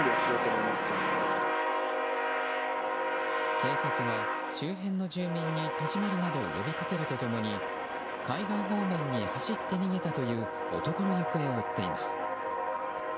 警察は、周辺の住民に戸締まりなどを呼びかけると共に海岸方面に走って逃げたという男の行方を追っています。